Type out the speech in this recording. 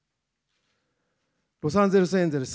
ロサンゼルスエンジェルス、